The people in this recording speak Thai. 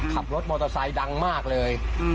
ขับรถมอเตอร์ไซค์ดังมากเลย